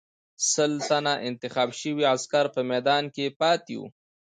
سل تنه انتخاب شوي عسکر په میدان کې پاتې وو.